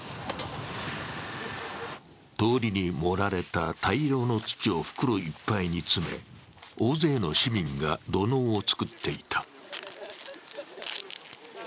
通りに盛られた大量の土を袋いっぱいに詰め、大勢の市民が土のうを作っていた。